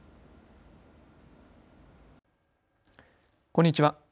こんにちは。